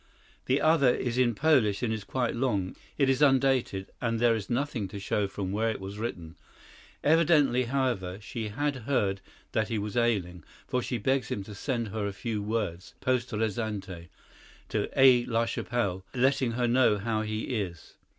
The other is in Polish and is quite long. It is undated, and there is nothing to show from where it was written. Evidently, however, she had heard that he was ailing, for she begs him to send her a few words, poste restante, to Aix la Chapelle, letting her know how he is.